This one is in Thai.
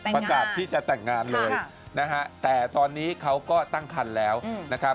ประกาศที่จะแต่งงานเลยนะฮะแต่ตอนนี้เขาก็ตั้งคันแล้วนะครับ